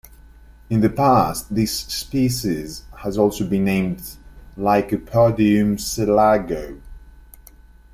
In the past, this species has also been named "Lycopodium selago".